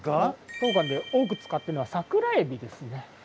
当館で多く使ってるのはサクラエビですね。